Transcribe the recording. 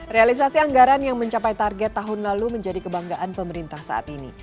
realisasi anggaran yang mencapai target tahun lalu menjadi kebanggaan pemerintah saat ini